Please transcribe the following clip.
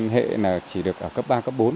hệ là chỉ được ở cấp ba cấp bốn